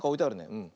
うん。